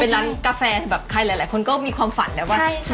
เป็นร้านกาแฟแบบใครหลายคนก็มีความฝันแล้วว่า